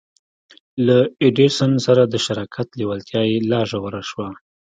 له ايډېسن سره د شراکت لېوالتیا يې لا ژوره شوه.